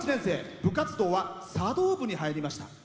部活動は茶道部に入りました。